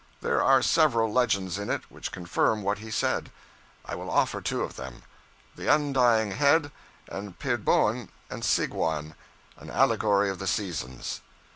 There are several legends in it which confirm what he said. I will offer two of them 'The Undying Head,' and 'Peboan and Seegwun, an Allegory of the Seasons.'